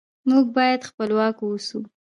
موږ باید خپلواک اوسو.